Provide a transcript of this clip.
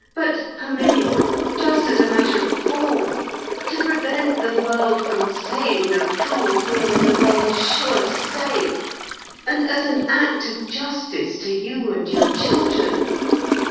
But, Herminia, just as a matter of form—to prevent the world from saying the cruel things the world is sure to say—and as an act of justice to you, and your children!